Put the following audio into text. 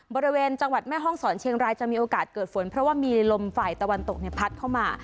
บริเวณจังหวัดแม่ห้องศรเชียงรายจะมีโอกาสเกิดฝนเพราะว่ามีลมฝ่ายตะวันตกพัดเข้ามา